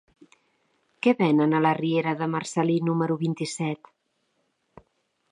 Què venen a la riera de Marcel·lí número vint-i-set?